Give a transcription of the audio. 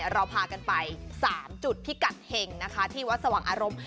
เราพากันไป๓จุดพิกัดเห็งนะคะที่วัดสว่างอารมณ์